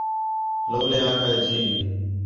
لَولیں آکھا ہے جی